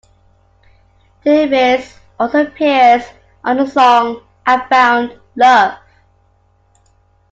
Davis also appears on the song "I Found Love".